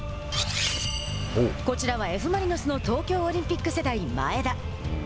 こちらのＦ・マリノスの東京オリンピック世代、前田。